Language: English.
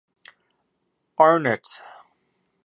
Arnott.